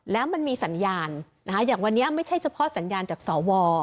แล้วมันมีสัญญาณนะคะอย่างวันนี้ไม่ใช่เฉพาะสัญญาณจากสว